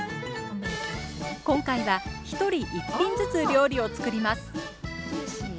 今回は１人１品ずつ料理を作ります。